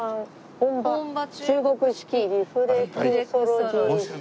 「本場中国式リフレクソロジー」